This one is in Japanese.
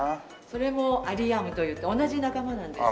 それもアリウムといって同じ仲間なんです。